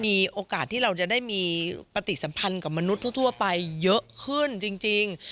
มีโอกาสที่เราจะได้มีปฏิสัมพันธ์กับมนุษย์ทั่วไปเยอะขึ้นจริง